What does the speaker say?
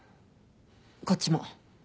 こっちも。